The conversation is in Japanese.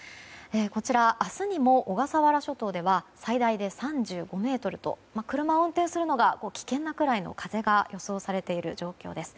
こちら、明日にも小笠原諸島では最大で３５メートルと車を運転するのが危険なくらいの風が予想されている状況です。